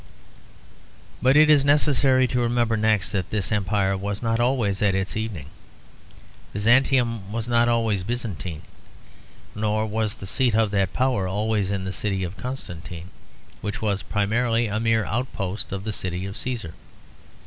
But it is necessary to remember next that this empire was not always at its evening. Byzantium was not always Byzantine. Nor was the seat of that power always in the city of Constantine, which was primarily a mere outpost of the city of Caesar.